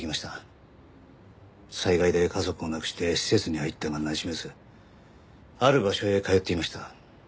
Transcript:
災害で家族を亡くして施設に入ったがなじめずある場所へ通っていました。